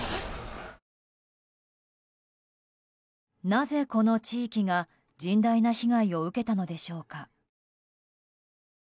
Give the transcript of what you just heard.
なぜ、この地域が甚大な被害を受けたのでしょうか。